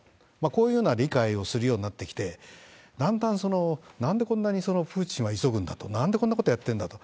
こういうのは理解をするようになってきて、だんだん、なんでこんなにプーチンは急ぐんだと、なんでこんなことやってんだと。